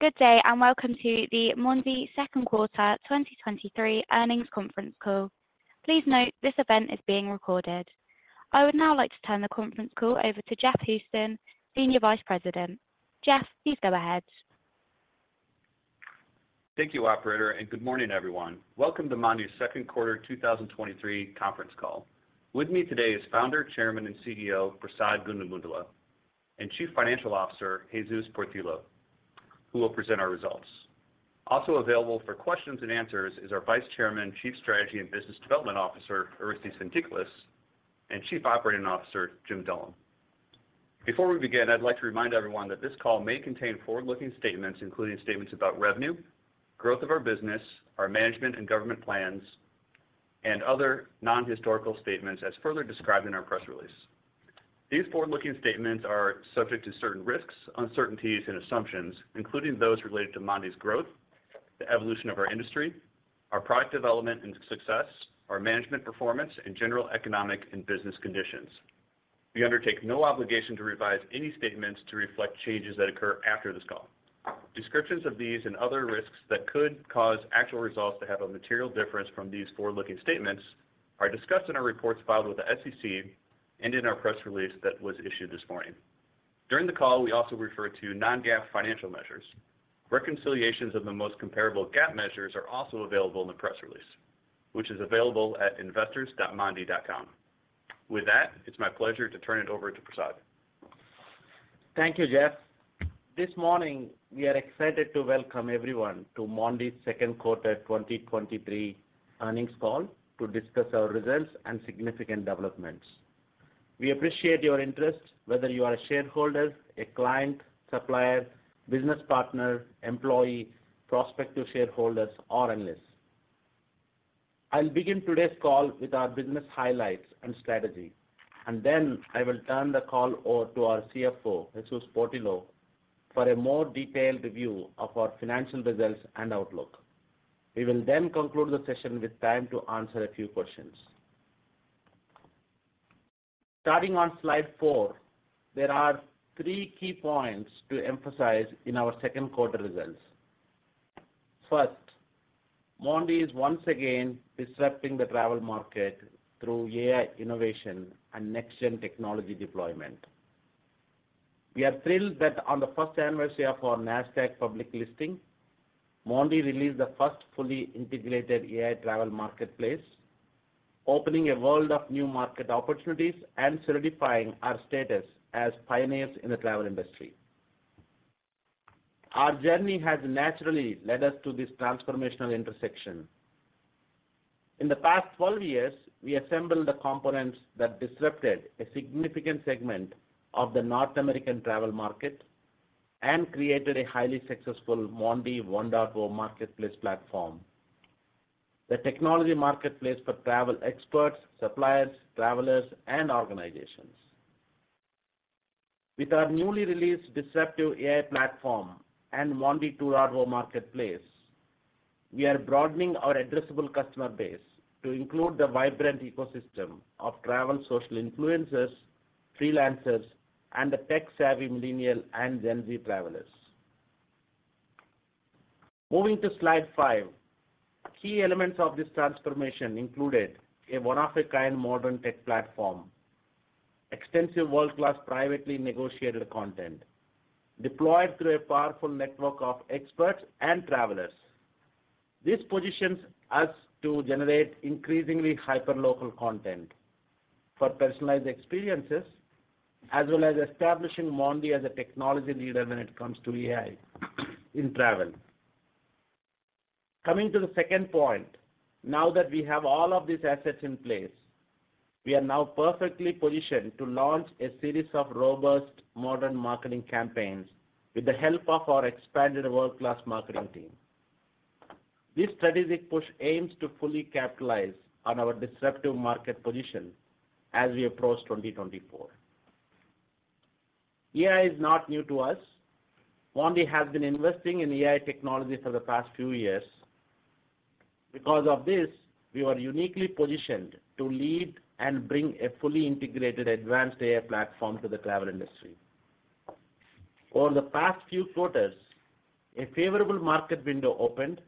Good day, and welcome to the Mondee second quarter 2023 earnings conference call. Please note, this event is being recorded. I would now like to turn the conference call over to Jeff Houston, Senior Vice President. Jeff, please go ahead. Thank you, operator. Good morning, everyone. Welcome to Mondee's second quarter 2023 conference call. With me today is Founder, Chairman, and CEO, Prasad Gundumogula, and Chief Financial Officer, Jesus Portillo, who will present our results. Also available for questions and answers is our Vice Chairman, Chief Strategy and Business Development Officer, Orestes Fintiklis, and Chief Operating Officer, Jim Dullum. Before we begin, I'd like to remind everyone that this call may contain forward-looking statements, including statements about revenue, growth of our business, our management and government plans, and other non-historical statements, as further described in our press release. These forward-looking statements are subject to certain risks, uncertainties, and assumptions, including those related to Mondee's growth, the evolution of our industry, our product development and success, our management performance, and general economic and business conditions. We undertake no obligation to revise any statements to reflect changes that occur after this call. Descriptions of these and other risks that could cause actual results to have a material difference from these forward-looking statements are discussed in our reports filed with the SEC and in our press release that was issued this morning. During the call, we also refer to non-GAAP financial measures. Reconciliations of the most comparable GAAP measures are also available in the press release, which is available at investors.mondee.com. With that, it's my pleasure to turn it over to Prasad. Thank you, Jeff. This morning, we are excited to welcome everyone to Mondee's second quarter 2023 earnings call to discuss our results and significant developments. We appreciate your interest, whether you are a shareholder, a client, supplier, business partner, employee, prospective shareholder, or analyst. I'll begin today's call with our business highlights and strategy, and then I will turn the call over to our CFO, Jesus Portillo, for a more detailed review of our financial results and outlook. We will then conclude the session with time to answer a few questions. Starting on slide four, there are three key points to emphasize in our second quarter results. First, Mondee is once again disrupting the travel market through AI innovation and next-gen technology deployment. We are thrilled that on the first anniversary of our Nasdaq public listing, Mondee released the first fully integrated AI travel marketplace, opening a world of new market opportunities and solidifying our status as pioneers in the travel industry. Our journey has naturally led us to this transformational intersection. In the past 12 years, we assembled the components that disrupted a significant segment of the North American travel market and created a highly successful Mondee 1.0 marketplace platform. The technology marketplace for travel experts, suppliers, travelers, and organizations. With our newly released disruptive AI platform and Mondee 2.0 marketplace, we are broadening our addressable customer base to include the vibrant ecosystem of travel social influencers, freelancers, and the tech-savvy Millennial and Gen Z travelers. Moving to slide five. Key elements of this transformation included a one-of-a-kind modern tech platform, extensive world-class privately negotiated content deployed through a powerful network of experts and travelers. This positions us to generate increasingly hyperlocal content for personalized experiences, as well as establishing Mondee as a technology leader when it comes to AI in travel. Coming to the second point, now that we have all of these assets in place, we are now perfectly positioned to launch a series of robust modern marketing campaigns with the help of our expanded world-class marketing team. This strategic push aims to fully capitalize on our disruptive market position as we approach 2024. AI is not new to us. Mondee has been investing in AI technology for the past few years. Because of this, we are uniquely positioned to lead and bring a fully integrated advanced AI platform to the travel industry. Over the past few quarters, a favorable market window opened,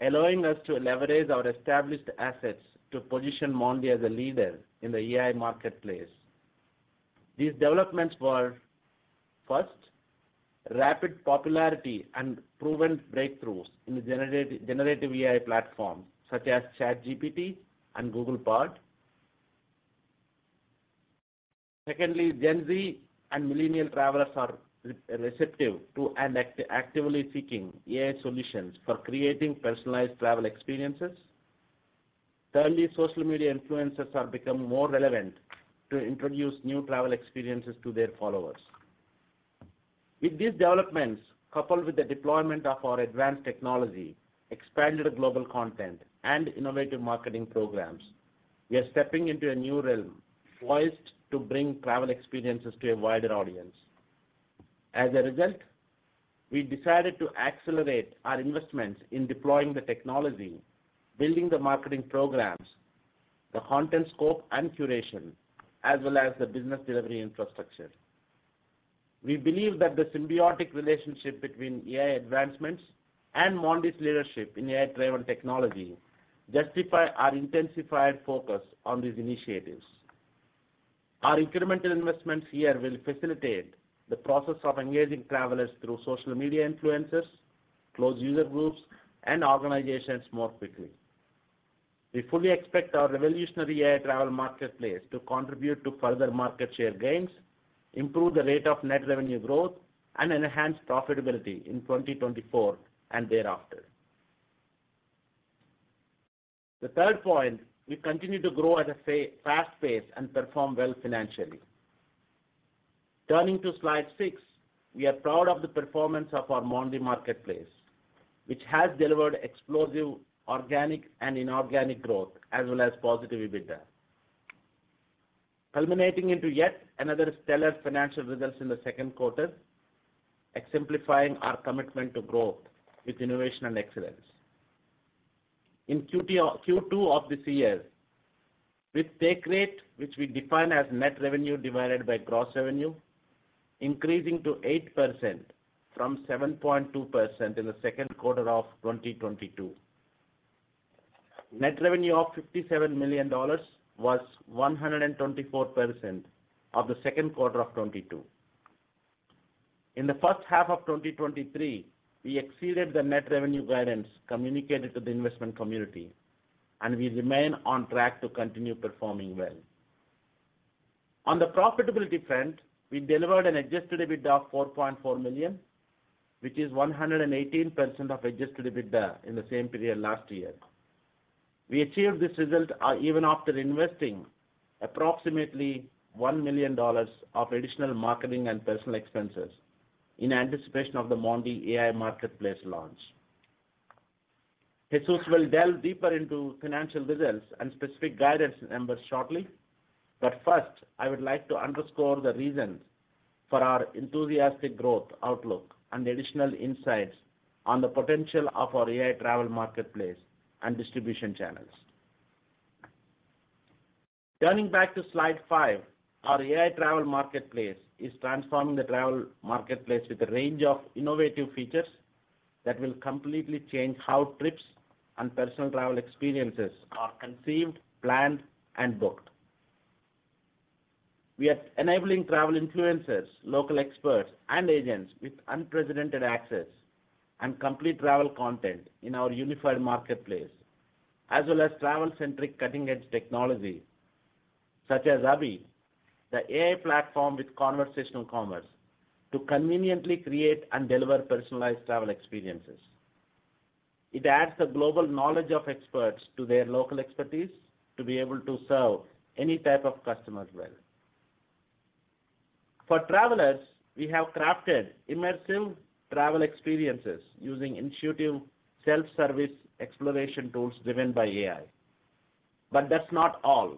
allowing us to leverage our established assets to position Mondee as a leader in the AI marketplace. These developments were: first, rapid popularity and proven breakthroughs in the generative AI platform, such as ChatGPT and Google Bard. Secondly, Gen Z and Millennial travelers are receptive to and actively seeking AI solutions for creating personalized travel experiences. Thirdly, social media influencers have become more relevant to introduce new travel experiences to their followers. With these developments, coupled with the deployment of our advanced technology, expanded global content, and innovative marketing programs, we are stepping into a new realm poised to bring travel experiences to a wider audience. As a result, we decided to accelerate our investments in deploying the technology, building the marketing programs, the content scope and curation, as well as the business delivery infrastructure. We believe that the symbiotic relationship between AI advancements and Mondee's leadership in AI travel technology justify our intensified focus on these initiatives. Our incremental investments here will facilitate the process of engaging travelers through social media influencers, closed user groups, and organizations more quickly. We fully expect our revolutionary AI travel marketplace to contribute to further market share gains, improve the rate of net revenue growth, and enhance profitability in 2024 and thereafter. The third point, we continue to grow at a fast pace and perform well financially. Turning to slide six, we are proud of the performance of our Mondee Marketplace, which has delivered explosive, organic, and inorganic growth, as well as positive EBITDA. Culminating into yet another stellar financial results in the second quarter, exemplifying our commitment to growth with innovation and excellence. In second quarter of this year, with take rate, which we define as net revenue divided by gross revenue, increasing to 8% from 7.2% in the second quarter of 2022. Net revenue of $57 million was 124% of the second quarter of 2022. In the first half of 2023, we exceeded the net revenue guidance communicated to the investment community, and we remain on track to continue performing well. On the profitability front, we delivered an Adjusted EBITDA of $4.4 million, which is 118% of Adjusted EBITDA in the same period last year. We achieved this result, even after investing approximately $1 million of additional marketing and personal expenses in anticipation of the Mondee AI Marketplace launch. Jesus will delve deeper into financial results and specific guidance numbers shortly, first, I would like to underscore the reasons for our enthusiastic growth outlook and additional insights on the potential of our AI travel marketplace and distribution channels. Turning back to slide five, our AI travel marketplace is transforming the travel marketplace with a range of innovative features that will completely change how trips and personal travel experiences are conceived, planned, and booked. We are enabling travel influencers, local experts, and agents with unprecedented access and complete travel content in our unified marketplace, as well as travel-centric cutting-edge technology, such as Abhi, the AI platform with conversational commerce, to conveniently create and deliver personalized travel experiences. It adds the global knowledge of experts to their local expertise to be able to serve any type of customers well. For travelers, we have crafted immersive travel experiences using intuitive self-service exploration tools driven by AI. That's not all.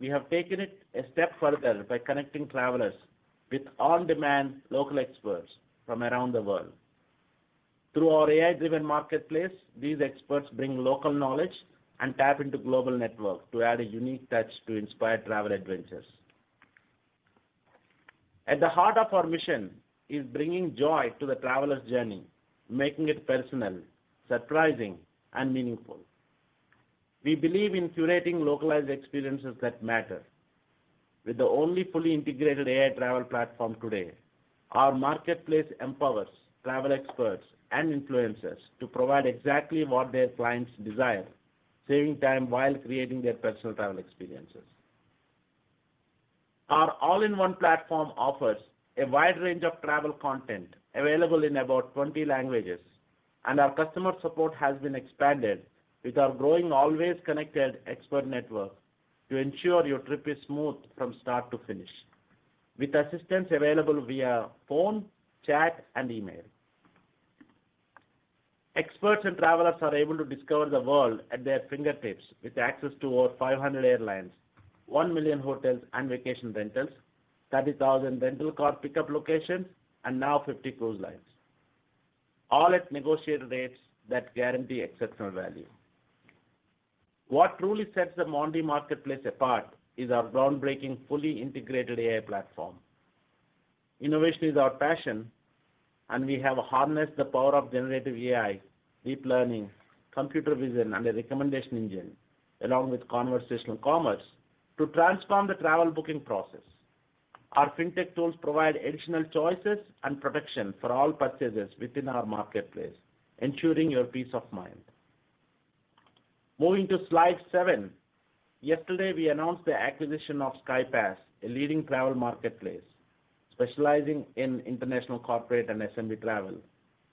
We have taken it a step further by connecting travelers with on-demand local experts from around the world. Through our AI-driven marketplace, these experts bring local knowledge and tap into global network to add a unique touch to inspire travel adventures. At the heart of our mission is bringing joy to the traveler's journey, making it personal, surprising, and meaningful. We believe in curating localized experiences that matter. With the only fully integrated AI travel platform today, our marketplace empowers travel experts and influencers to provide exactly what their clients desire, saving time while creating their personal travel experiences. Our all-in-one platform offers a wide range of travel content available in about 20 languages, and our customer support has been expanded with our growing, always connected expert network to ensure your trip is smooth from start to finish, with assistance available via phone, chat, and email. Experts and travelers are able to discover the world at their fingertips with access to over 500 airlines, 1 million hotels and vacation rentals, 30,000 rental car pickup locations, and now 50 cruise lines, all at negotiated rates that guarantee exceptional value. What truly sets the Mondee Marketplace apart is our groundbreaking, fully integrated AI platform. Innovation is our passion. We have harnessed the power of generative AI, deep learning, computer vision, and a recommendation engine, along with conversational commerce, to transform the travel booking process. Our fintech tools provide additional choices and protection for all purchases within our marketplace, ensuring your peace of mind. Moving to slide seven. Yesterday, we announced the acquisition of Skypass, a leading travel marketplace, specializing in international, corporate, and SMB travel,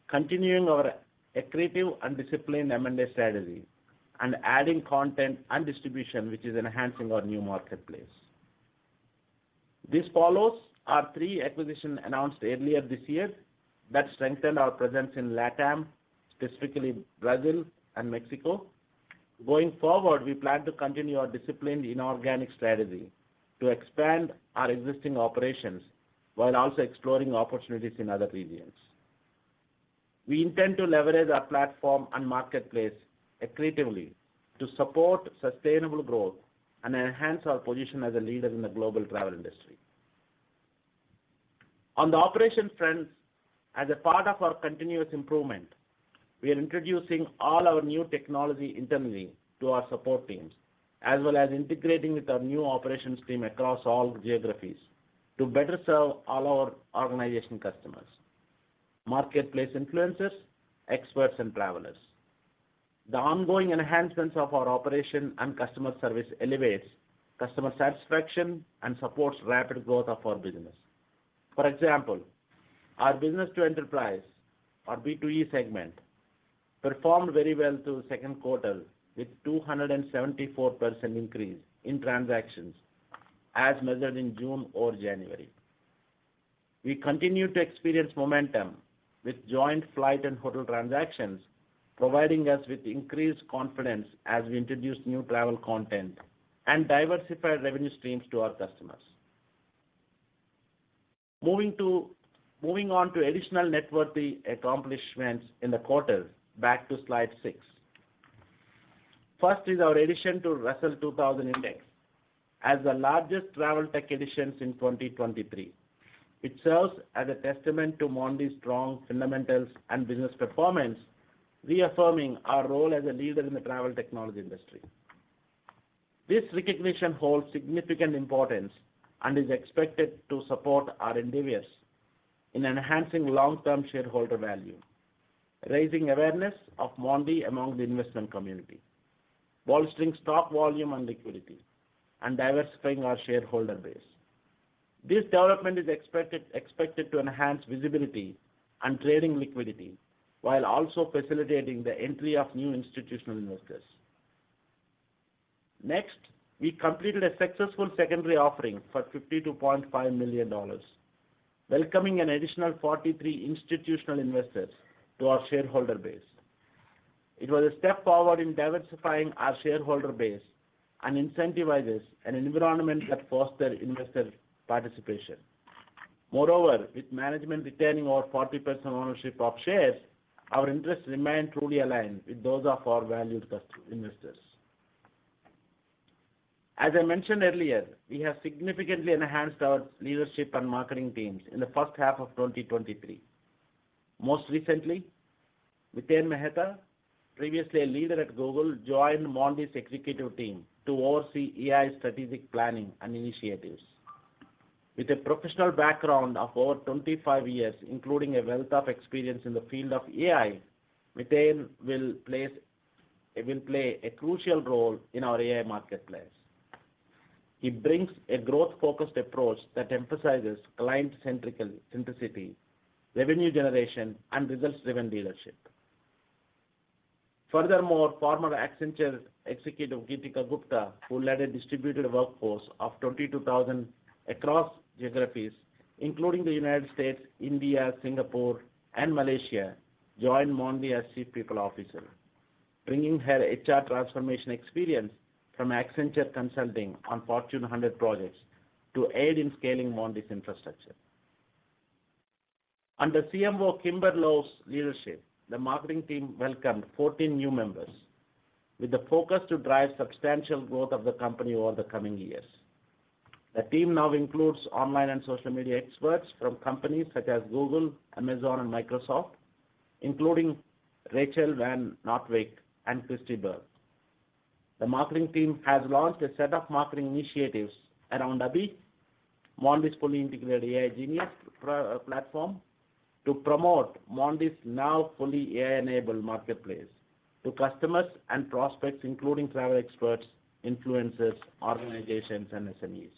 continuing our accretive and disciplined M&A strategy and adding content and distribution, which is enhancing our new marketplace. This follows our three acquisitions announced earlier this year that strengthened our presence in LATAM, specifically Brazil and Mexico. Going forward, we plan to continue our disciplined inorganic strategy to expand our existing operations while also exploring opportunities in other regions. We intend to leverage our platform and marketplace creatively to support sustainable growth and enhance our position as a leader in the global travel industry. On the operations front, as a part of our continuous improvement, we are introducing all our new technology internally to our support teams, as well as integrating with our new operations team across all geographies to better serve all our organization customers, marketplace influencers, experts, and travelers. The ongoing enhancements of our operation and customer service elevates customer satisfaction and supports rapid growth of our business. For example, our business to enterprise, our B2E segment, performed very well through the second quarter, with 274% increase in transactions as measured in June or January. We continue to experience momentum with joint flight and hotel transactions, providing us with increased confidence as we introduce new travel content and diversify revenue streams to our customers. Moving on to additional noteworthy accomplishments in the quarter, back to slide six. First is our addition to Russell 2000 Index. As the largest travel tech additions in 2023, it serves as a testament to Mondee's strong fundamentals and business performance, reaffirming our role as a leader in the travel technology industry. This recognition holds significant importance and is expected to support our endeavors in enhancing long-term shareholder value, raising awareness of Mondee among the investment community, bolstering stock volume and liquidity, and diversifying our shareholder base. This development is expected to enhance visibility and trading liquidity, while also facilitating the entry of new institutional investors. Next, we completed a successful secondary offering for $52.5 million, welcoming an additional 43 institutional investors to our shareholder base. It was a step forward in diversifying our shareholder base and incentivizes an environment that foster investor participation. Moreover, with management retaining over 40% ownership of shares, our interests remain truly aligned with those of our valued customer, investors. As I mentioned earlier, we have significantly enhanced our leadership and marketing teams in the first half of 2023. Most recently, Miten Mehta, previously a leader at Google, joined Mondee's executive team to oversee AI strategic planning and initiatives. With a professional background of over 25 years, including a wealth of experience in the field of AI, Miten will play a crucial role in our AI marketplace. He brings a growth-focused approach that emphasizes client-centricity, revenue generation, and results-driven leadership. Furthermore, former Accenture executive, Geetika Gupta, who led a distributed workforce of 22,000 across geographies, including the United States, India, Singapore, and Malaysia, joined Mondee as Chief People Officer, bringing her HR transformation experience from Accenture Consulting on Fortune 100 projects to aid in scaling Mondee's infrastructure. Under CMO Kimber Lowe's leadership, the marketing team welcomed 14 new members, with a focus to drive substantial growth of the company over the coming years. The team now includes online and social media experts from companies such as Google, Amazon, and Microsoft, including Rachel Van Nortwick and Christie Berg. The marketing team has launched a set of marketing initiatives around Abhi, Mondee's fully integrated AI genius pro platform, to promote Mondee's now fully AI-enabled marketplace to customers and prospects, including travel experts, influencers, organizations, and SMEs.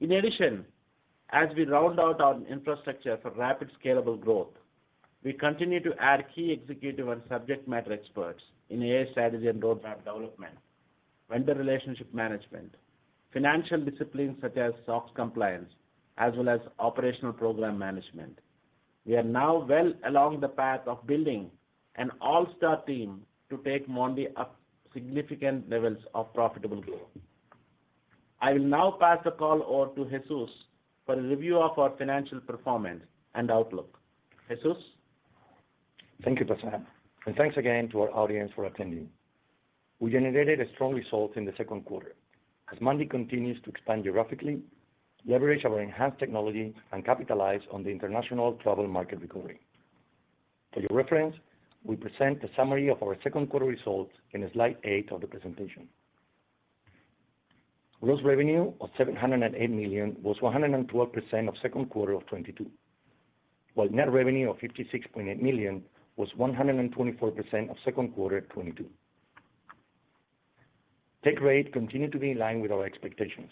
As we round out our infrastructure for rapid, scalable growth, we continue to add key executive and subject matter experts in AI strategy and roadmap development, vendor relationship management, financial disciplines such as SOX compliance, as well as operational program management. We are now well along the path of building an all-star team to take Mondee up significant levels of profitable growth. I will now pass the call over to Jesus for a review of our financial performance and outlook. Jesus? Thank you, Prasad. Thanks again to our audience for attending. We generated a strong result in the second quarter as Mondee continues to expand geographically, leverage our enhanced technology, and capitalize on the international travel market recovery. For your reference, we present a summary of our second quarter results in slide eight of the presentation. Gross revenue of $708 million was 112% of second quarter of 2022, while net revenue of $56.8 million was 124% of second quarter 2022. Take rate continued to be in line with our expectations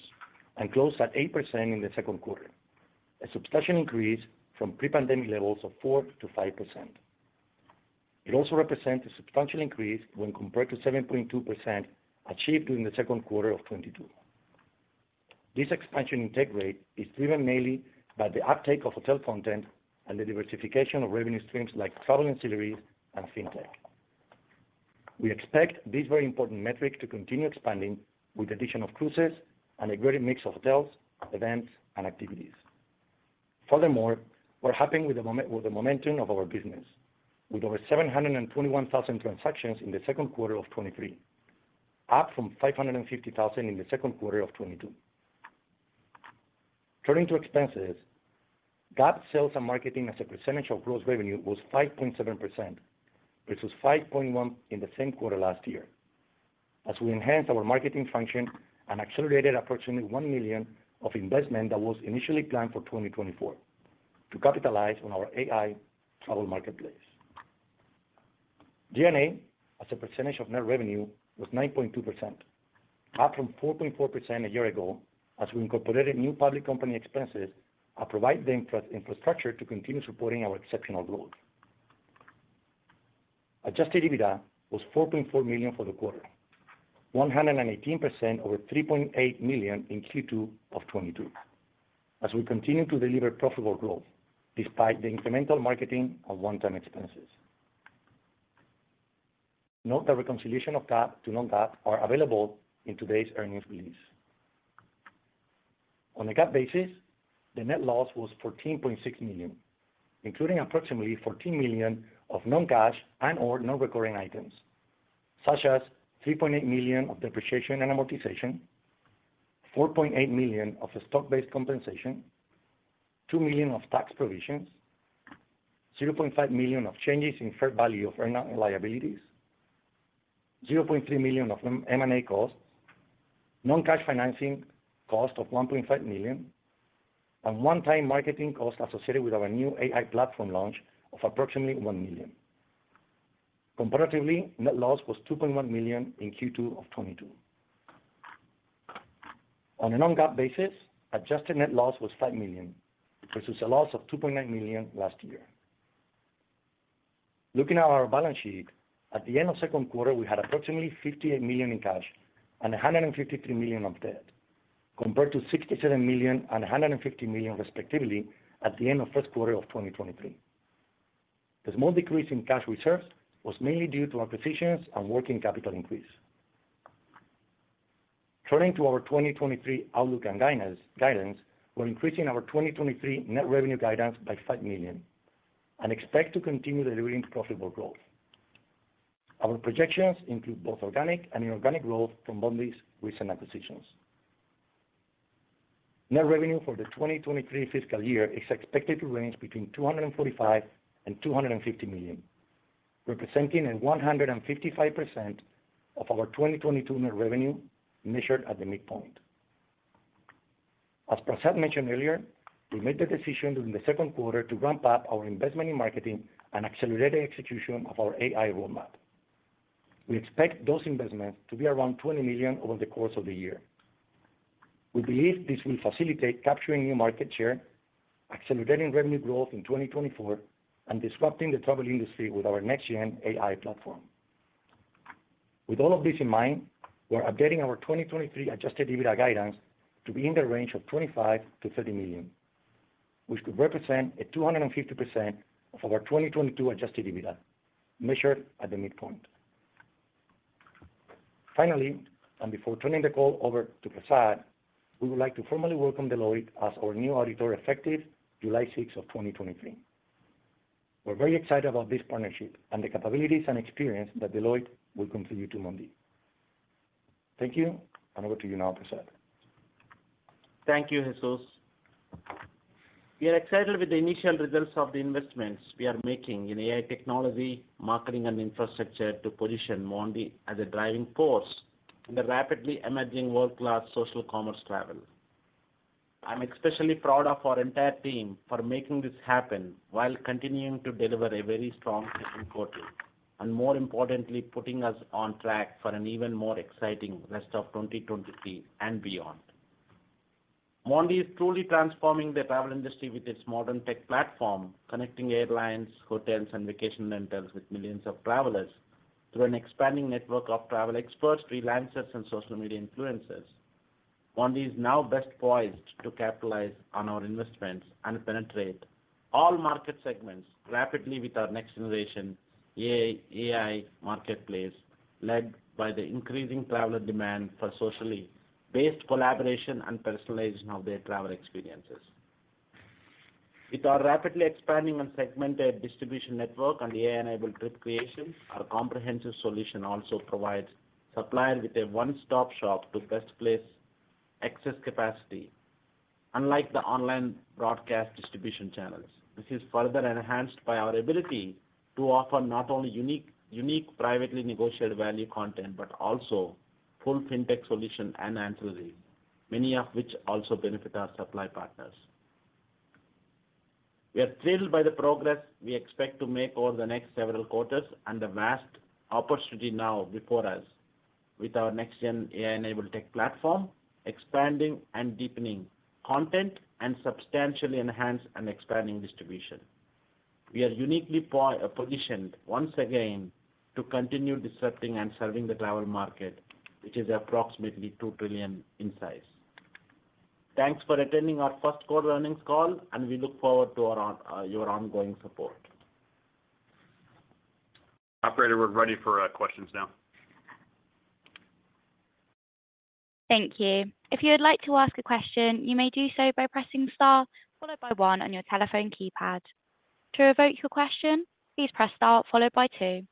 and closed at 8% in the second quarter, a substantial increase from pre-pandemic levels of 4% to 5%. It also represents a substantial increase when compared to 7.2% achieved during the second quarter of 2022. This expansion in take rate is driven mainly by the uptake of hotel content and the diversification of revenue streams like travel ancillaries and fintech. We expect this very important metric to continue expanding with the addition of cruises and a greater mix of hotels, events, and activities. We're happy with the momentum of our business, with over 721,000 transactions in the second quarter of 2023, up from 550,000 in the second quarter of 2022. Turning to expenses, GAAP sales and marketing as a percentage of gross revenue was 5.7%, which was 5.1 in the same quarter last year, as we enhanced our marketing function and accelerated approximately $1 million of investment that was initially planned for 2024 to capitalize on our AI travel marketplace. G&A, as a percentage of net revenue, was 9.2%, up from 4.4% a year ago, as we incorporated new public company expenses and provide the infrastructure to continue supporting our exceptional growth. Adjusted EBITDA was $4.4 million for the quarter, 118% over $3.8 million in second quarter of 2022, as we continue to deliver profitable growth despite the incremental marketing of one-time expenses. Note that reconciliation of GAAP to non-GAAP are available in today's earnings release. On a GAAP basis, the net loss was $14.6 million, including approximately $14 million of non-cash and/or non-recurring items, such as $3.8 million of depreciation and amortization, $4.8 million of the stock-based compensation, $2 million of tax provisions, $0.5 million of changes in fair value of earn-out liabilities, $0.3 million of M&A costs, non-cash financing cost of $1.5 million. And one-time marketing costs associated with our new AI platform launch of approximately $1 million. Comparatively, net loss was $2.1 million in second quarter of 2022. On a non-GAAP basis, adjusted net loss was $5 million, versus a loss of $2.9 million last year. Looking at our balance sheet, at the end of second quarter, we had approximately $58 million in cash and $153 million of debt, compared to $67 million and $150 million, respectively, at the end of first quarter 2023. The small decrease in cash reserves was mainly due to acquisitions and working capital increase. Turning to our 2023 outlook and guidance, guidance, we're increasing our 2023 net revenue guidance by $5 million and expect to continue delivering profitable growth. Our projections include both organic and inorganic growth from Mondee's recent acquisitions. Net revenue for the 2023 fiscal year is expected to range between $245 million and $250 million, representing a 155% of our 2022 net revenue, measured at the midpoint. As Prasad mentioned earlier, we made the decision during the second quarter to ramp up our investment in marketing and accelerated execution of our AI roadmap. We expect those investments to be around $20 million over the course of the year. We believe this will facilitate capturing new market share, accelerating revenue growth in 2024, and disrupting the travel industry with our next-gen AI platform. With all of this in mind, we're updating our 2023 Adjusted EBITDA guidance to be in the range of $25 to 30 million, which could represent a 250% of our 2022 Adjusted EBITDA, measured at the midpoint. Finally, before turning the call over to Prasad, we would like to formally welcome Deloitte as our new auditor, effective 6 July 2023. We're very excited about this partnership and the capabilities and experience that Deloitte will continue to Mondee. Thank you. Over to you now, Prasad. Thank you, Jesus. We are excited with the initial results of the investments we are making in AI technology, marketing, and infrastructure to position Mondee as a driving force in the rapidly emerging world-class social commerce travel. I'm especially proud of our entire team for making this happen while continuing to deliver a very strong second quarter. More importantly, putting us on track for an even more exciting rest of 2023 and beyond. Mondee is truly transforming the travel industry with its modern tech platform, connecting airlines, hotels, and vacation rentals with millions of travelers through an expanding network of travel experts, freelancers, and social media influencers. Mondee is now best poised to capitalize on our investments and penetrate all market segments rapidly with our next-generation AI, AI marketplace, led by the increasing traveler demand for socially based collaboration and personalization of their travel experiences. With our rapidly expanding and segmented distribution network and the AI-enabled trip creation, our comprehensive solution also provides suppliers with a one-stop shop to best place excess capacity, unlike the online broadcast distribution channels. This is further enhanced by our ability to offer not only unique, unique, privately negotiated value content, but also full fintech solution and ancillary, many of which also benefit our supply partners. We are thrilled by the progress we expect to make over the next several quarters and the vast opportunity now before us with our next-gen AI-enabled tech platform, expanding and deepening content, and substantially enhance and expanding distribution. We are uniquely positioned once again to continue disrupting and serving the travel market, which is approximately $2 trillion in size. Thanks for attending our first quarter earnings call, and we look forward to your ongoing support. Operator, we're ready for questions now. Thank you. If you would like to ask a question, you may do so by pressing star followed by one on your telephone keypad. To revoke your question, please press star followed by two,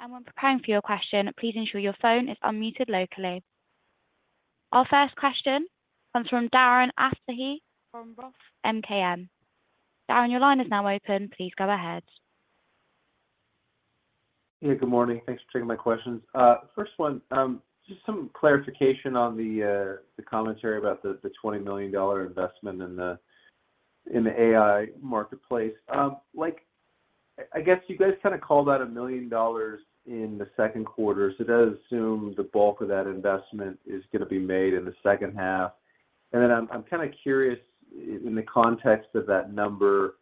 and when preparing for your question, please ensure your phone is unmuted locally. Our first question comes from Darren Aftahi from Roth MKM. Darren, your line is now open. Please go ahead. Hey, good morning. Thanks for taking my questions. First one, just some clarification on the, the $20 million investment in the, in the AI Marketplace. Like, I, I guess you guys kind of called out $1 million in the second quarter, so that assumes the bulk of that investment is going to be made in the second half. I'm, I'm kind of curious, in the context of that number,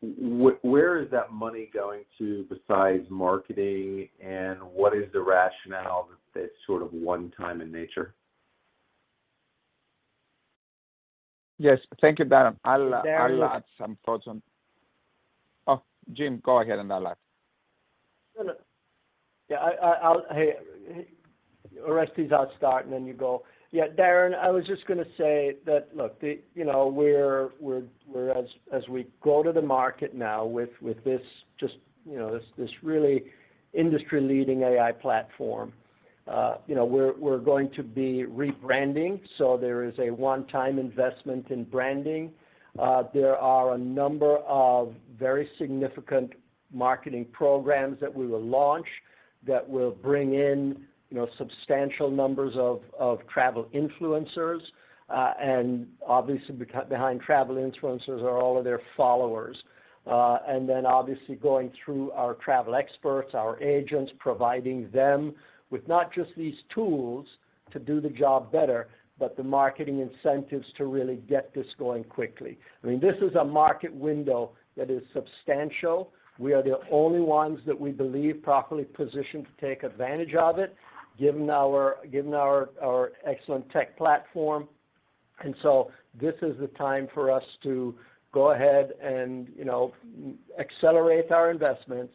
where is that money going to besides marketing, and what is the rationale that it's sort of one time in nature? Yes. Thank you, Darren. I'll... I'll add some thoughts on... Oh, Jim, go ahead, and I'll add. No, no. Yeah, Hey, Orestes, I'll start, and then you go. Yeah, Darren, I was just going to say that, look, you know, we're, we're, we're as, as we go to the market now with, with this just, you know, this, this really industry-leading AI platform, you know, we're, we're going to be rebranding, so there is a one-time investment in branding. There are a number of very significant marketing programs that we will launch that will bring in, you know, substantial numbers of, of travel influencers, and obviously, behind travel influencers are all of their followers. And then obviously going through our travel experts, our agents, providing them with not just these tools to do the job better, but the marketing incentives to really get this going quickly. I mean, this is a market window that is substantial. We are the only ones that we believe properly positioned to take advantage of it, given our excellent tech platform. This is the time for us to go ahead and, you know, accelerate our investments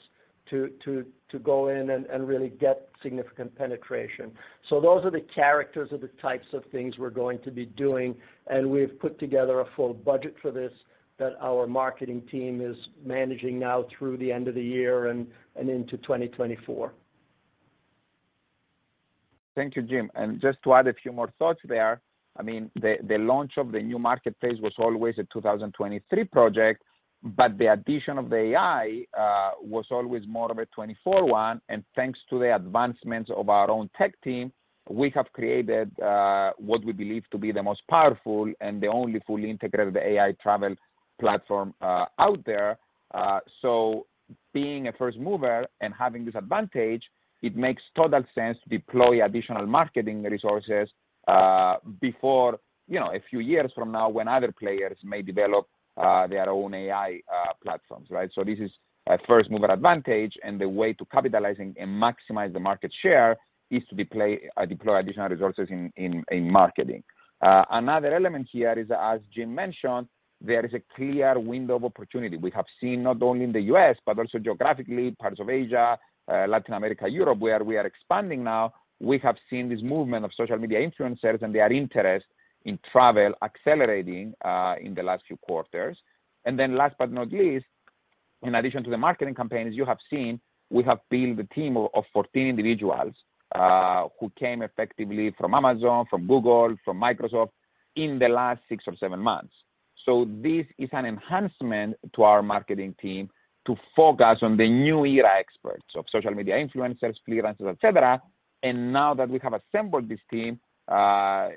to go in and really get significant penetration. Those are the characters of the types of things we're going to be doing, and we've put together a full budget for this, that our marketing team is managing now through the end of the year and into 2024. Thank you, Jim. Just to add a few more thoughts there, I mean, the launch of the new marketplace was always a 2023 project, but the addition of the AI was always more of a 2024 one, and thanks to the advancements of our own tech team, we have created what we believe to be the most powerful and the only fully integrated AI travel platform out there. Being a first mover and having this advantage, it makes total sense to deploy additional marketing resources before, you know, a few years from now when other players may develop their own AI platforms, right? This is a first mover advantage, and the way to capitalizing and maximize the market share is to deploy additional resources in marketing. Another element here is, as Jim mentioned, there is a clear window of opportunity. We have seen, not only in the US, but also geographically, parts of Asia, Latin America, Europe, where we are expanding now. We have seen this movement of social media influencers and their interest in travel accelerating in the last few quarters. Last but not least, in addition to the marketing campaigns you have seen, we have built a team of 14 individuals who came effectively from Amazon, from Google, from Microsoft, in the last six or seven months. This is an enhancement to our marketing team to focus on the new era experts of social media influencers, influencers, et cetera. Now that we have assembled this team,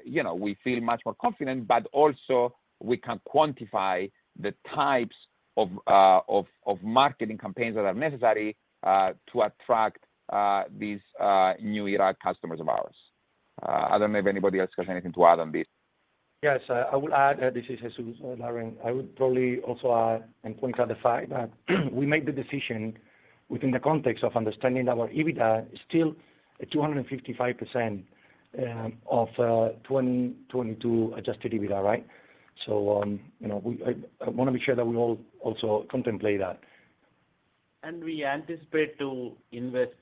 you know, we feel much more confident, but also we can quantify the types of, of, of marketing campaigns that are necessary, to attract, these, new era customers of ours. I don't know if anybody else has anything to add on this. Yes, I would add, this is Jesus, Darren. I would probably also add and clarify that we made the decision within the context of understanding our EBITDA is still at 255% of 2022 Adjusted EBITDA, right? you know, I, I want to be sure that we all also contemplate that. We anticipate to invest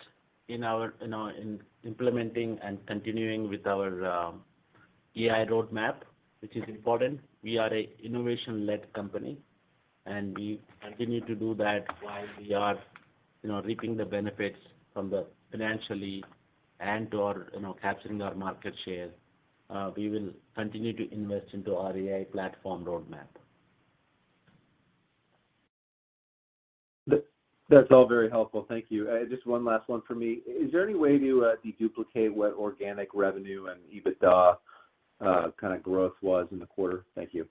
in our, in our, in implementing and continuing with our AI roadmap, which is important. We are a innovation-led company. We continue to do that while we are, you know, reaping the benefits from the financially and/or, you know, capturing our market share. We will continue to invest into our AI platform roadmap. That, that's all very helpful. Thank you. Just one last one for me. Is there any way to deduplicate what organic revenue and EBITDA kind of growth was in the quarter? Thank you.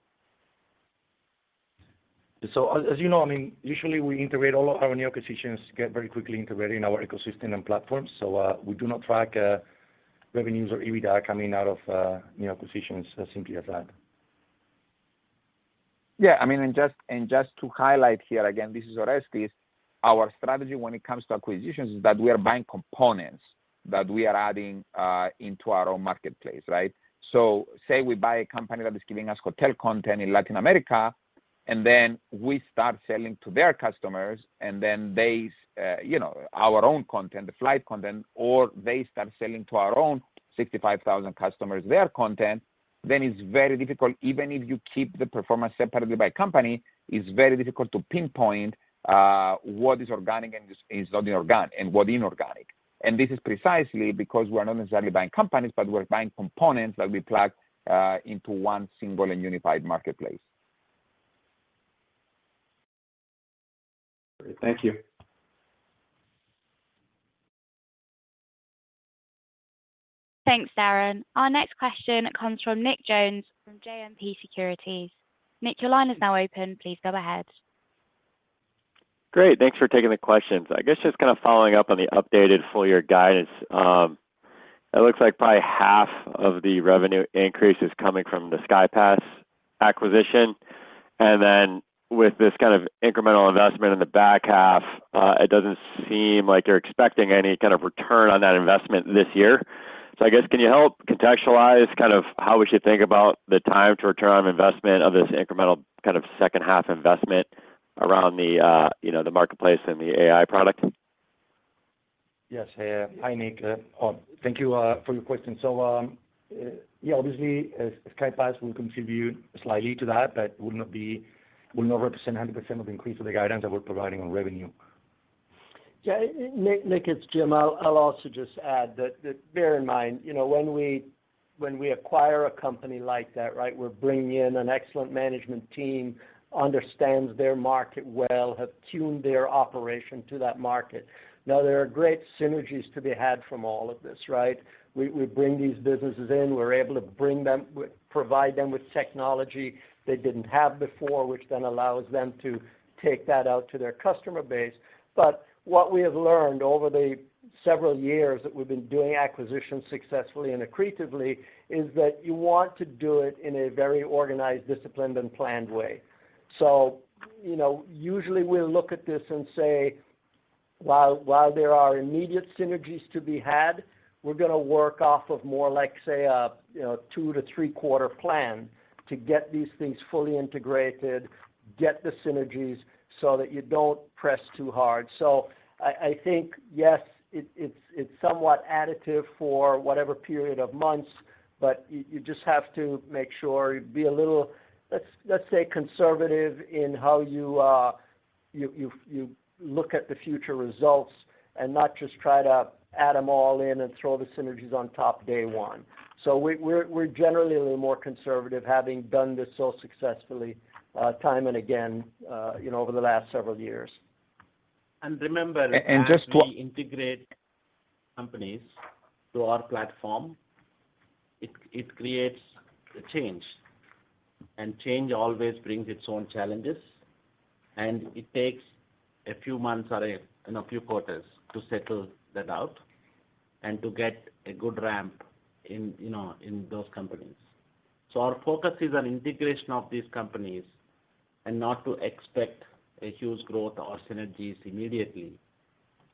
As, as you know, I mean, usually we integrate all of our new acquisitions, get very quickly integrated in our ecosystem and platforms. We do not track revenues or EBITDA coming out of new acquisitions as simply as that. Yeah, I mean, just, and just to highlight here, again, this is Orestes. Our strategy when it comes to acquisitions is that we are buying components that we are adding into our own marketplace, right? Say we buy a company that is giving us hotel content in Latin America, we start selling to their customers, they, you know, our own content, the flight content, or they start selling to our own 65,000 customers, their content, then it's very difficult. Even if you keep the performance separately by company, it's very difficult to pinpoint what is organic and is, is not inorganic and what inorganic. This is precisely because we are not necessarily buying companies, but we're buying components that we plug into one single and unified marketplace. Great. Thank you. Thanks, Darren. Our next question comes from Nick Jones from JMP Securities. Nick, your line is now open. Please go ahead. Great, thanks for taking the questions. I guess just kind of following up on the updated full year guidance. It looks like probably half of the revenue increase is coming from the Skypass acquisition, and then with this kind of incremental investment in the back half, it doesn't seem like you're expecting any kind of return on that investment this year. I guess, can you help contextualize kind of how we should think about the time to return on investment of this incremental kind of second-half investment around the, you know, the marketplace and the AI product? Yes. Hi, Nick. Thank you for your question. Yeah, obviously, as Skypass will contribute slightly to that, but will not represent 100% of the increase of the guidance that we're providing on revenue. Yeah, Nick, it's Jim. I'll also just add that bear in mind, you know, when we, when we acquire a company like that, right? We're bringing in an excellent management team, understands their market well, have tuned their operation to that market. There are great synergies to be had from all of this, right? We, we bring these businesses in, we're able to provide them with technology they didn't have before, which then allows them to take that out to their customer base. What we have learned over the several years that we've been doing acquisitions successfully and accretively, is that you want to do it in a very organized, disciplined, and planned way. You know, usually we'll look at this and say, while, while there are immediate synergies to be had, we're gonna work off of more like, say, a, you know, two to three-quarter plan to get these things fully integrated, get the synergies so that you don't press too hard. I, I think, yes, it, it's, it's somewhat additive for whatever period of months, but you, you just have to make sure, be a little, let's, let's say, conservative in how you, you, you look at the future results and not just try to add them all in and throw the synergies on top day one. We're generally a little more conservative, having done this so successfully, time and again, you know, over the last several years. And remember... Just... As we integrate companies to our platform, it, it creates a change, and change always brings its own challenges, and it takes a few months or a, you know, a few quarters to settle that out and to get a good ramp in, you know, in those companies. Our focus is on integration of these companies and not to expect a huge growth or synergies immediately,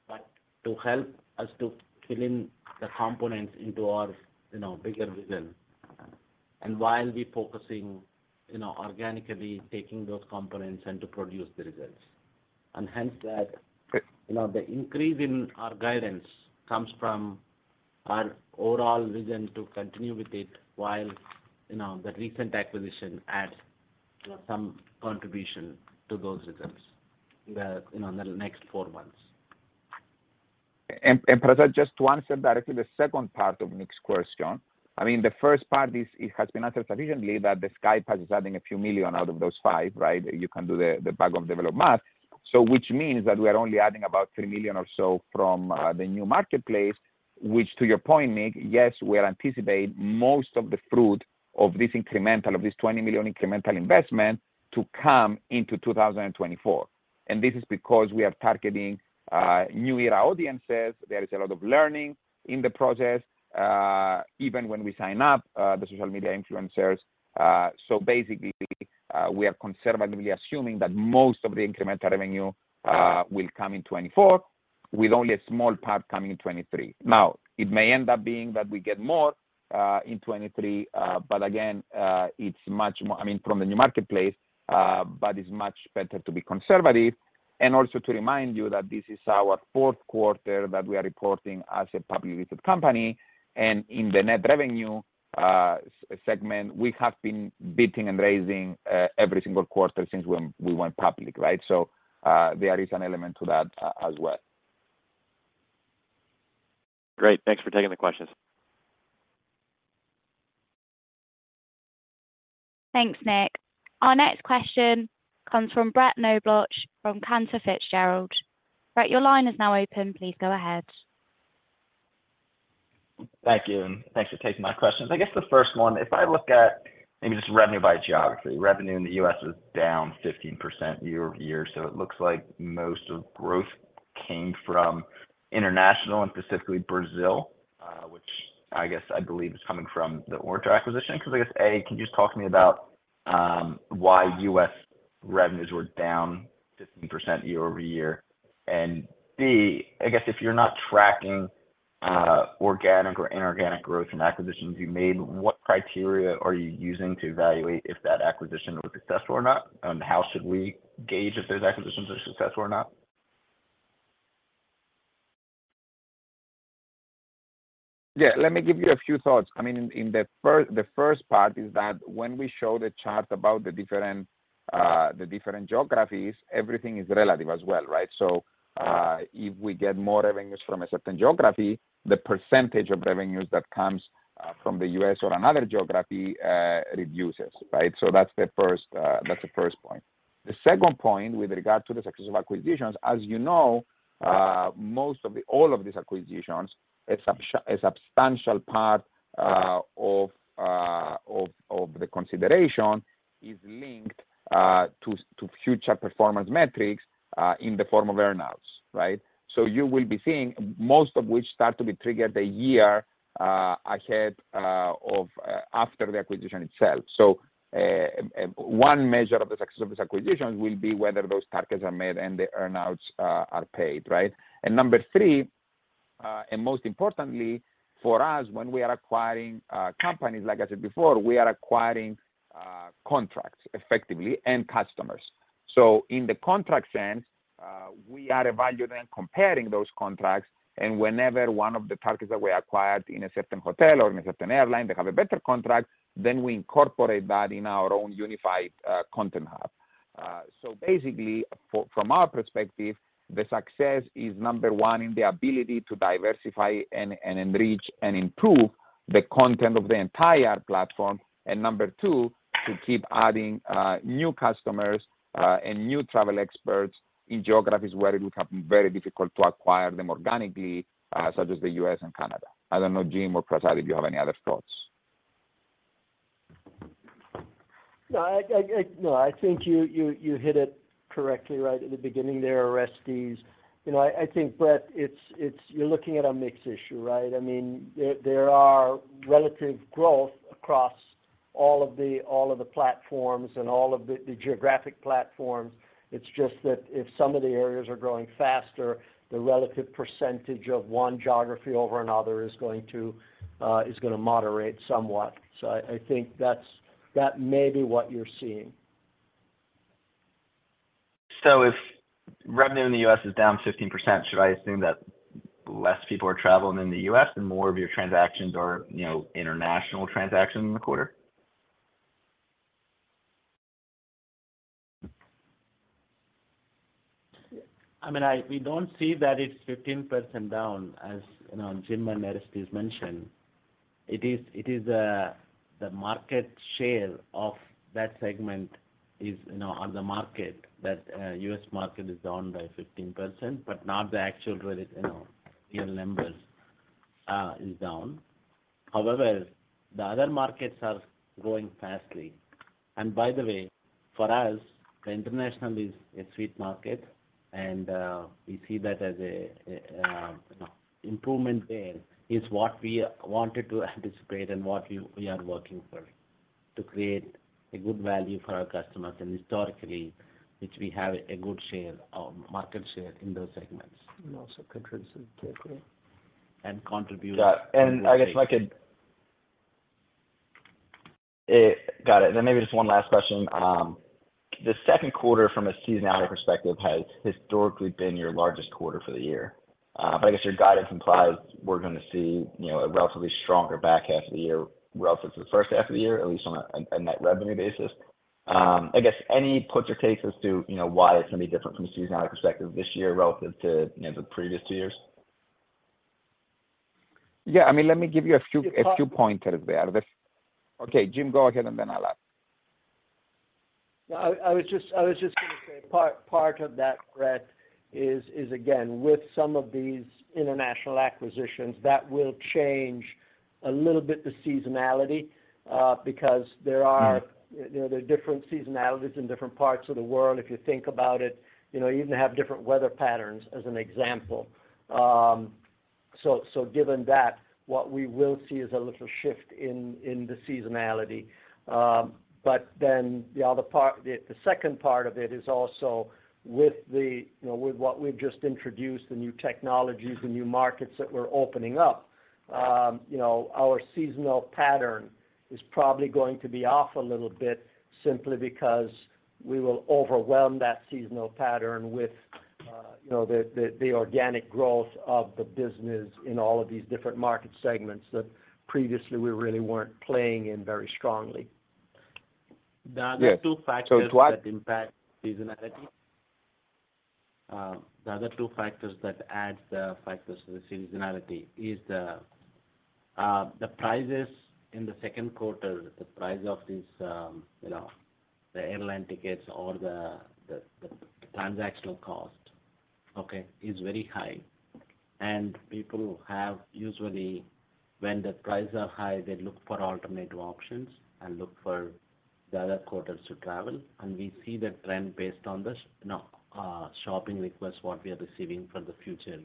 but to help us to fill in the components into our, you know, bigger vision. While we're focusing, you know, organically taking those components and to produce the results. Hence that, you know, the increase in our guidance comes from our overall vision to continue with it, while, you know, the recent acquisition adds some contribution to those results, you know, in the next 4 months. Prasad, just to answer directly the second part of Nick's question. I mean, the first part is, it has been answered sufficiently that Skypass is adding a few million out of those 5, right? You can do the back of envelope math. Which means that we are only adding about $3 million or so from the new marketplace, which to your point, Nick, yes, we anticipate most of the fruit of this incremental, of this $20 million incremental investment to come into 2024. This is because we are targeting new era audiences. There is a lot of learning in the process, even when we sign up the social media influencers. Basically, we are conservatively assuming that most of the incremental revenue will come in 2024, with only a small part coming in 2023. It may end up being that we get more in 2023, but again, it's much more... I mean, from the new marketplace, but it's much better to be conservative. Also, to remind you that this is our 4th quarter that we are reporting as a publicly listed company, and in the net revenue segment, we have been beating and raising every single quarter since we, we went public, right? There is an element to that as well. Great, thanks for taking the questions. Thanks, Nick. Our next question comes from Brett Knoblauch from Cantor Fitzgerald. Brett, your line is now open. Please go ahead. Thank you. Thanks for taking my questions. I guess the first one, if I look at maybe just revenue by geography, revenue in the US is down 15% year-over-year. It looks like most of growth came from international and specifically Brazil. I guess, I believe is coming from the Orinter acquisition, because I guess, A, can you just talk to me about why US revenues were down 15% year-over-year? B, I guess if you're not tracking organic or inorganic growth from acquisitions you made, what criteria are you using to evaluate if that acquisition was successful or not? How should we gauge if those acquisitions are successful or not? Yeah, let me give you a few thoughts. I mean, the first part is that when we show the chart about the different geographies, everything is relative as well, right? If we get more revenues from a certain geography, the percentage of revenues that comes from the US or another geography reduces, right? That's the first, that's the first point. The second point, with regard to the success of acquisitions, as you know, all of these acquisitions, a substantial part of the consideration is linked to future performance metrics in the form of earnouts, right? You will be seeing most of which start to be triggered a year ahead of after the acquisition itself. One measure of the success of this acquisition will be whether those targets are met and the earnouts are paid, right? Number three, and most importantly, for us, when we are acquiring companies, like I said before, we are acquiring contracts effectively and customers. In the contract sense, we are evaluating and comparing those contracts, and whenever one of the targets that we acquired in a certain hotel or in a certain airline, they have a better contract, then we incorporate that in our own unified content hub. Basically, from our perspective, the success is, number one, in the ability to diversify and enrich and improve the content of the entire platform. Number two, to keep adding new customers, and new travel experts in geographies where it would have been very difficult to acquire them organically, such as the US and Canada. I don't know, Jim or Prasad, if you have any other thoughts. No, I think you hit it correctly right at the beginning there, Aristides. You know, I think, Brett, it's you're looking at a mixed issue, right? I mean, there are relative growth across all of the platforms and all of the geographic platforms. It's just that if some of the areas are growing faster, the relative percentage of one geography over another is going to is gonna moderate somewhat. I think that may be what you're seeing. If revenue in the US is down 15%, should I assume that less people are traveling in the US and more of your transactions are, you know, international transactions in the quarter? I mean, we don't see that it's 15% down, as, you know, Jim and Orestes mentioned. It is, it is, the market share of that segment is, you know, on the market, that, US market is down by 15%, but not the actual, you know, year numbers, is down. However, the other markets are growing fasterly. By the way, for us, the international is a sweet market, and, we see that as a, a, improvement there, is what we wanted to anticipate and what we, we are working for, to create a good value for our customers. Historically, which we have a good share of market share in those segments. Also contributes significantly. And contribute... Yeah. I guess if I could... got it. Maybe just one last question. The second quarter, from a seasonality perspective, has historically been your largest quarter for the year. I guess your guidance implies we're gonna see, you know, a relatively stronger back half of the year relative to the first half of the year, at least on a, a net revenue basis. I guess any puts or takes as to, you know, why it's gonna be different from a seasonality perspective this year relative to, you know, the previous two years? Yeah, I mean, let me give you a few... Yeah. A few points there. Okay, Jim, go ahead, and then I'll add. No, I was just gonna say, part of that, Brett, is again, with some of these international acquisitions, that will change a little bit the seasonality, because there are. Mm-hmm. You know, there are different seasonalities in different parts of the world. If you think about it, you know, you even have different weather patterns, as an example. Given that, what we will see is a little shift in the seasonality. The other part, the second part of it is also with the, you know, with what we've just introduced, the new technologies, the new markets that we're opening up, you know, our seasonal pattern is probably going to be off a little bit simply because we will overwhelm that seasonal pattern with, you know, the organic growth of the business in all of these different market segments that previously we really weren't playing in very strongly. The other two factors... Yeah. That impact seasonality. The other two factors that adds the factors to the seasonality is the prices in the second quarter, the price of these, you know, the airline tickets or the transactional cost, okay, is very high. People have usually, when the prices are high, they look for alternative options and look for the other quarters to travel, and we see the trend based on this, you know, shopping request, what we are receiving for the future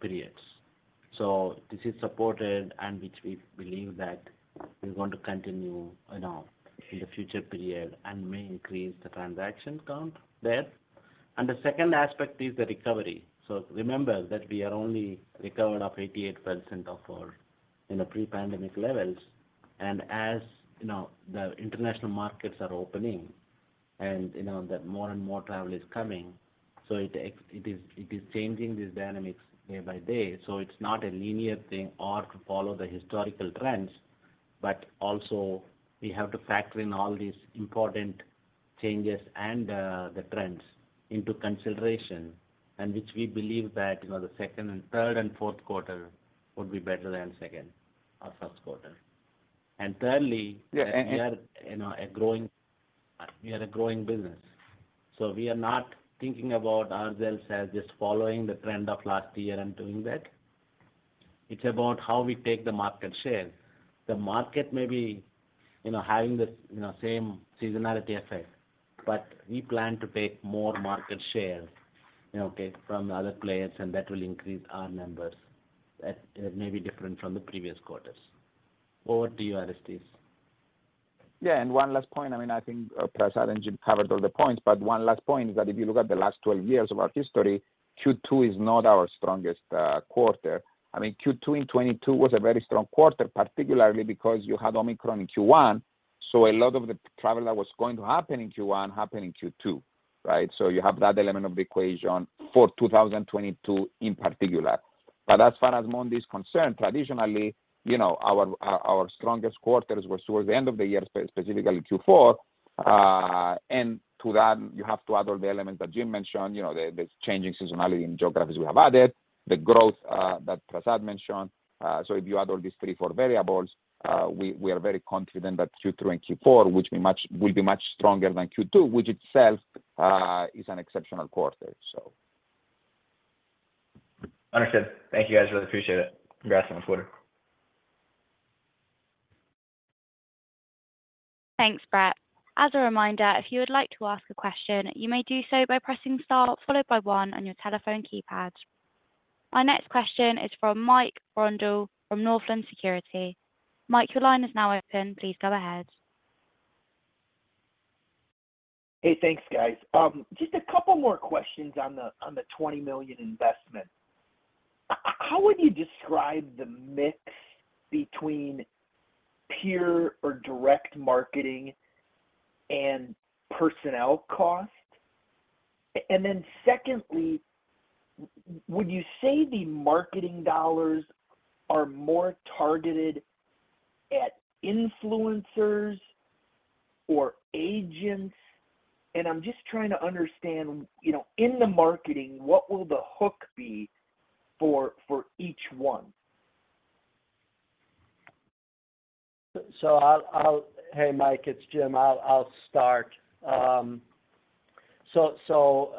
periods. This is supported and which we believe that we're going to continue, you know, in the future period and may increase the transaction count there. The second aspect is the recovery. Remember that we are only recovered up 88% of our in the pre-pandemic levels. As you know, the international markets are opening and, you know, that more and more travel is coming, so it is, it is changing these dynamics day by day. It's not a linear thing or to follow the historical trends, but also we have to factor in all these important changes and the trends into consideration, and which we believe that, you know, the second and third and fourth quarter would be better than second or first quarter. Thirdly... Yeah. We are, you know, a growing business. We are not thinking about ourselves as just following the trend of last year and doing that. It's about how we take the market share. The market may be, you know, having the, you know, same seasonality effect. We plan to take more market share, you know, okay, from other players, and that will increase our numbers. That may be different from the previous quarters. What do you add, Orestes? Yeah, and one last point. I mean, I think Prasad and Jim covered all the points, but one last point is that if you look at the last 12 years of our history, second quarter is not our strongest quarter. I mean, second quarter in 2022 was a very strong quarter, particularly because you had Omicron in first quarter, so a lot of the travel that was going to happen in first quarter happened in second quarter, right? You have that element of the equation for 2022 in particular. As far as demand is concerned, traditionally, you know, our, our, our strongest quarters were towards the end of the year, specifically fourth quarter. To that, you have to add all the elements that Jim mentioned, you know, the, the changing seasonality and geographies we have added, the growth that Prasad mentioned. If you add all these three, four variables, we, we are very confident that third quarter and fourth quarter will be much stronger than second quarter, which itself is an exceptional quarter, so... Understood. Thank you, guys, really appreciate it. Congrats on the quarter. Thanks, Brett. As a reminder, if you would like to ask a question, you may do so by pressing star followed by one on your telephone keypad. Our next question is from Mike Grondahl from Northland Securities. Mike, your line is now open. Please go ahead. Hey, thanks, guys. Just a couple more questions on the $20 million investment. How would you describe the mix between peer or direct marketing and personnel cost? Then secondly, would you say the marketing dollars are more targeted at influencers or agents? I'm just trying to understand, you know, in the marketing, what will the hook be for each one? So I'll. Hey, Mike, it's Jim. I'll start. So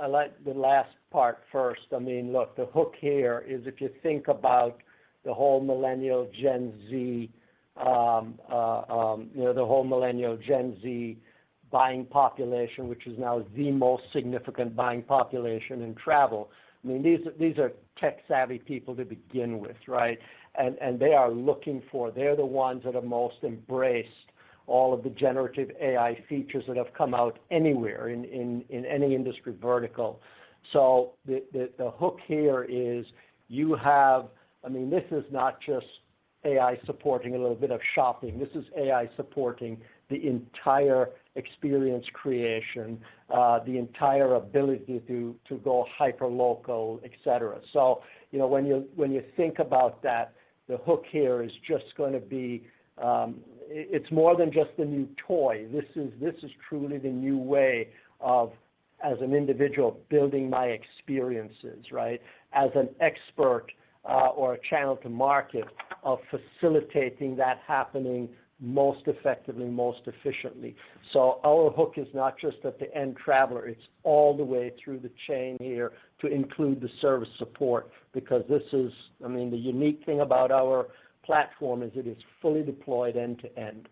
I like the last part first. I mean, look, the hook here is if you think about the whole Millennial, Gen Z, you know, the whole Millennial, Gen Z buying population, which is now the most significant buying population in travel. I mean, these, these are tech-savvy people to begin with, right? And, and they are looking for. They're the ones that have most embraced all of the generative AI features that have come out anywhere in, in, in any industry vertical. The, the, the hook here is you have. I mean, this is not just AI supporting a little bit of shopping. This is AI supporting the entire experience creation, the entire ability to, to go hyperlocal, et cetera. You know, when you, when you think about that, the hook here is just gonna be. It's more than just a new toy. This is, this is truly the new way of, as an individual, building my experiences, right? As an expert, or a channel to market, of facilitating that happening most effectively, most efficiently. Our hook is not just at the end traveler, it's all the way through the chain here to include the service support, because this is. I mean, the unique thing about our platform is it is fully deployed end to end.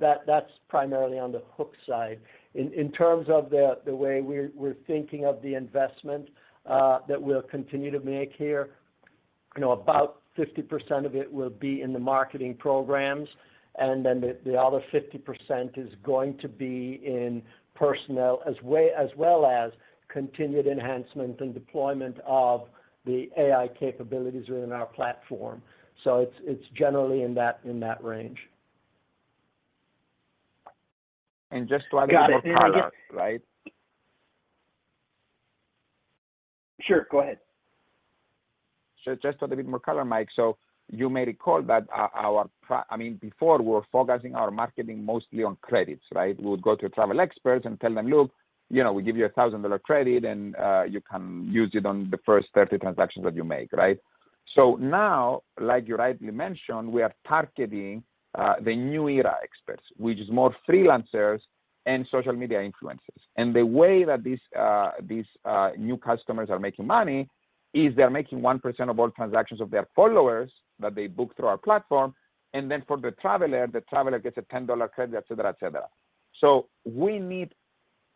That, that's primarily on the hook side. In, in terms of the, the way we're, we're thinking of the investment that we'll continue to make here, you know, about 50% of it will be in the marketing programs, and then the, the other 50% is going to be in personnel, as well as continued enhancement and deployment of the AI capabilities within our platform. It's, it's generally in that, in that range. Just to add a bit more color, right? Sure, go ahead. Just a little bit more color, Mike. You may recall that our marketing mostly on credits, right? We would go to travel experts and tell them: "Look, you know, we give you a $1,000 credit, and you can use it on the first 30 transactions that you make," right? Now, like you rightly mentioned, we are targeting the new era experts, which is more freelancers and social media influencers. The way that these these new customers are making money is they're making 1% of all transactions of their followers that they book through our platform, and then for the traveler, the traveler gets a $10 credit, et cetera, et cetera. We need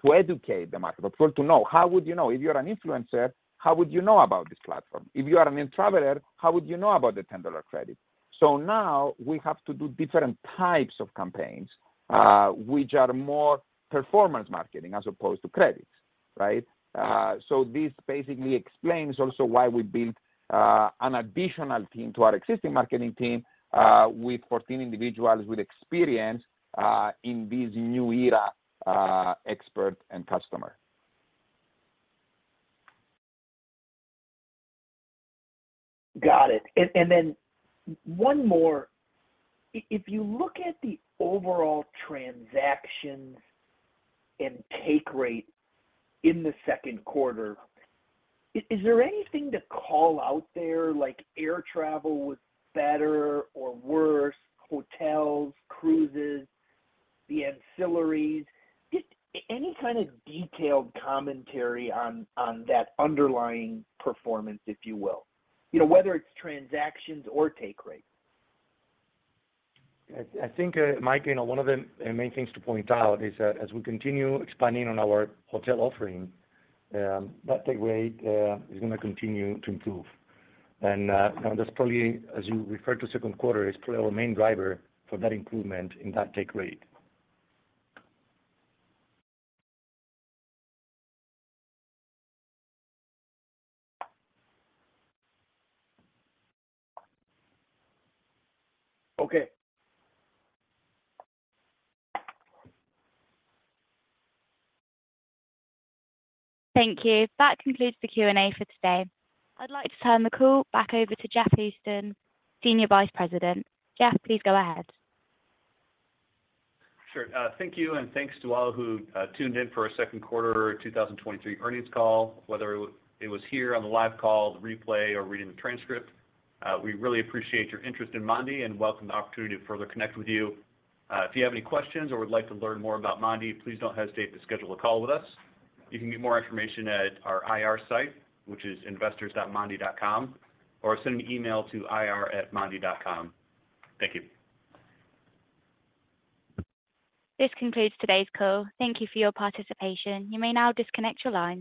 to educate the market, but to know, how would you know? If you're an influencer, how would you know about this platform? If you are a new traveler, how would you know about the $10 credit? Now we have to do different types of campaigns, which are more performance marketing as opposed to credits, right? This basically explains also why we built an additional team to our existing marketing team, with 14 individuals with experience in this new era, expert and customer. Got it. Then one more. If you look at the overall transactions and take rate in the second quarter, is there anything to call out there, like air travel was better or worse, hotels, cruises, the ancillaries? Just any kind of detailed commentary on that underlying performance, if you will, you know, whether it's transactions or take rate. I think, Mike, you know, one of the main things to point out is that as we continue expanding on our hotel offering, that take rate is gonna continue to improve. That's probably, as you referred to second quarter, is probably our main driver for that improvement in that take rate. Okay. Thank you. That concludes the Q&A for today. I'd like to turn the call back over to Jeff Easton, Senior Vice President. Jeff, please go ahead. Sure. Thank you, and thanks to all who tuned in for our second quarter 2023 earnings call. Whether it was here on the live call, the replay, or reading the transcript, we really appreciate your interest in Mondee and welcome the opportunity to further connect with you. If you have any questions or would like to learn more about Mondee, please don't hesitate to schedule a call with us. You can get more information at our IR site, which is investors.mondee.com, or send an email to ir@mondee.com. Thank you. This concludes today's call. Thank you for your participation. You may now disconnect your lines.